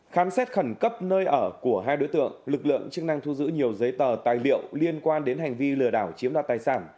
khám xét khẩn cấp nơi ở của hai đối tượng lực lượng chức năng thu giữ nhiều giấy tờ tài liệu liên quan đến hành vi lừa đảo chiếm đoạt tài sản